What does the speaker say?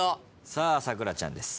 さあ咲楽ちゃんです。